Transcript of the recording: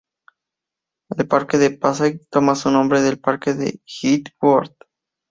El Parque de Passaic toma su nombre del Parque de Third Ward.